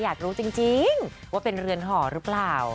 อยากรู้จริงว่าเป็นเรือนห่อหรือเปล่า